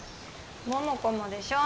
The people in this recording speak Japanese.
桃子もでしょ。